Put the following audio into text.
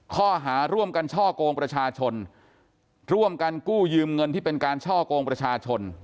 ข้อหาร่วมกันช่อกงประชาชนร่วมกันกู้ยืมเงินที่เป็นการช่อกงประชาชน